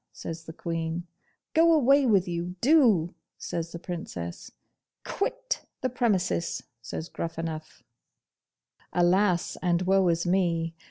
says the Queen. 'Go away with you, do!' says the Princess. 'Quit the premises!' says Gruffanuff. 'Alas! and woe is me!